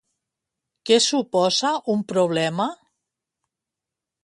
Què suposa un problema?